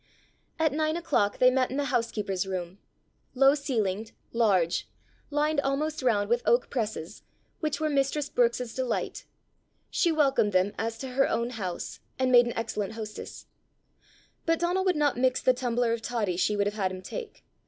At nine o'clock they met in the housekeeper's room low ceiled, large, lined almost round with oak presses, which were mistress Brookes's delight. She welcomed them as to her own house, and made an excellent hostess. But Donal would not mix the tumbler of toddy she would have had him take.